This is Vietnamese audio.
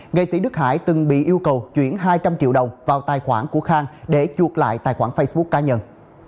nghệ sĩ đức hải từng bị yêu cầu chuyển hai trăm linh triệu đồng vào tài khoản của khang để chuột lại tài khoản facebook cá nhân